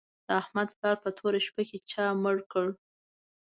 د احمد پلار په توره شپه چا مړ کړ